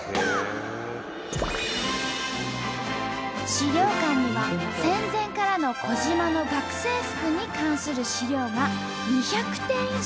資料館には戦前からの児島の学生服に関する資料が２００点以上。